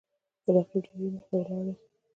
د رقیب دېرې ته مـــخامخ ولاړ یـــــم